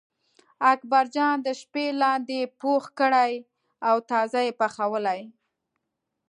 اکبرجان د شپې لاندی پوخ کړی و تازه یې پخولی.